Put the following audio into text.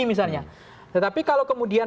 misalnya tetapi kalau kemudian